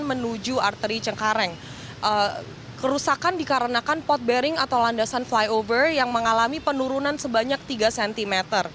menuju arteri cengkareng kerusakan dikarenakan pot bearing atau landasan flyover yang mengalami penurunan sebanyak tiga cm